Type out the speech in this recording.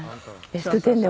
『ベストテン』で。